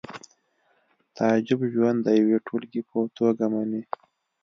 تعجب ژوند د یوې ټولګې په توګه مني